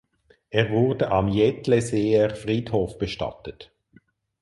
Er wurde am Jedleseer Friedhof bestattet.